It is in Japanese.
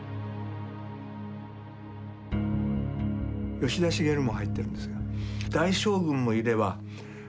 吉田茂も入ってるんですが。